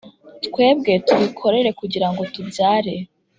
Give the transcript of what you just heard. twebwe tubikorera kugirango tubyare